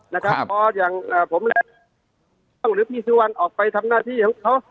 นะครับพออย่างอ่าผมหรือพี่ศรีวรรค์ออกไปทำหน้าที่ของเขา